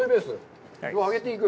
揚げていく。